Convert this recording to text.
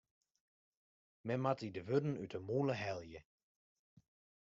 Men moat dy de wurden út 'e mûle helje.